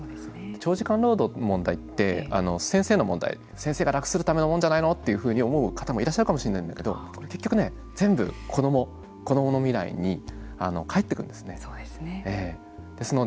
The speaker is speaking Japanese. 長時間労働の問題って先生の問題先生が楽するためのものじゃないのと思う方もいらっしゃるかもしれないんだけど結局ね全部子ども子どもの未来に返ってくるんですね。